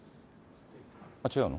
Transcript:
あ、違うの？